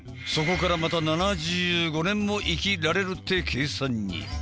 そこからまた７５年も生きられるって計算に。